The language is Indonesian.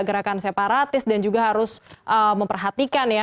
gerakan separatis dan juga harus memperhatikan ya